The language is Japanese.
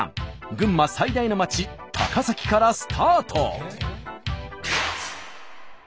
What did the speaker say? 群馬最大の街高崎からスタート！